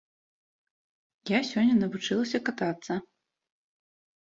Я сёння навучылася катацца.